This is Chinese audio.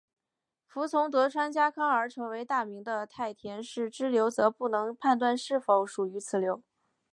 服从德川家康而成为大名的太田氏支流则不能判断是否属于此流。